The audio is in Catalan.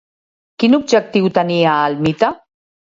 Quin objectiu tenia el mite?